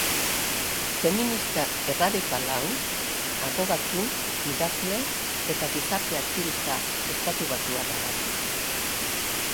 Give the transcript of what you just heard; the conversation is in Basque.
Feminista erradikal hau abokatu, idazle eta gizarte aktibista estatubatuarra da.